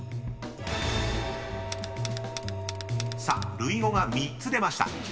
［さあ類語が３つ出ました。